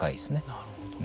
なるほど。